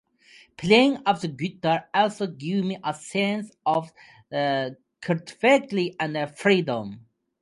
Playing the guitar also gives me a sense of creativity and freedom.